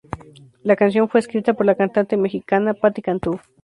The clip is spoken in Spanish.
La canción fue escrita por la cantante mexicana Paty Cantú.